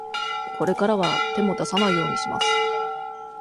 これからは、手も出さないようにします。